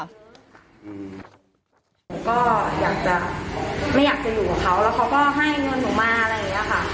หนูก็อยากจะไม่อยากจะอยู่กับเขาแล้วเขาก็ให้เงินหนูมาอะไรอย่างนี้ค่ะ